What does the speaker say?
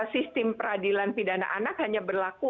sistem peradilan pidana anak hanya berlaku